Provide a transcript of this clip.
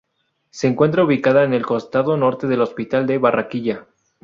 Se encuentra ubicada en el costado norte del Hospital de Barranquilla.